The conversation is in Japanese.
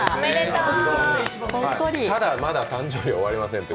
ただ、まだ誕生日は終わりません。